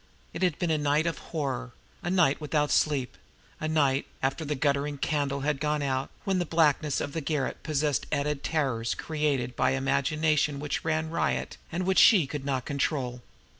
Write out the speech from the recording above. It had been a night of horror; a night without sleep; a night, after the guttering candle had gone out, when the blackness of the garret possessed added terrors created by an imagination which ran riot, and which she could not control.